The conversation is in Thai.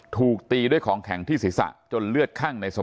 ถูกตีด้วยของแขแข่งที่ศิษย์จนเลือดขั้้างในสมอง